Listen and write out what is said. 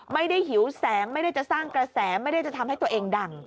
หิวแสงไม่ได้จะสร้างกระแสไม่ได้จะทำให้ตัวเองดัง